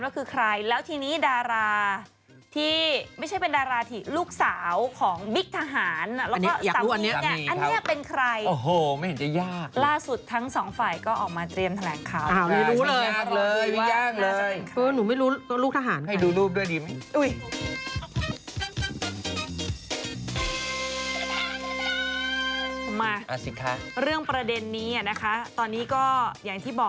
คือใครคือใครใช่อันนั้นเขากำลังหากันว่าคือใคร